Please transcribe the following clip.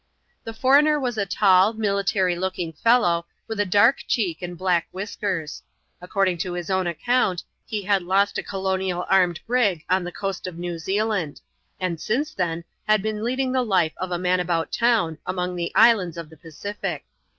The foreigner was a tall, military looking fellow, with a daifc daeek and black whiskers. According to his own account, he had lost a colonial armed brig on the coast of New Zealand ; and since then, had been leading the life of a man about town, among the islands of the Pacific.